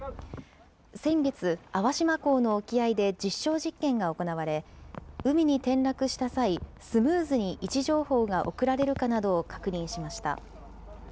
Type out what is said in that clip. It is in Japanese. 先月、粟島港の沖合で実証実験が行われ、海に転落した際、スムーズに位置情報が送られるかなどを確認しました。